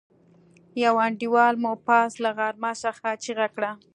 يوه انډيوال مو پاس له غره څخه چيغه کړه.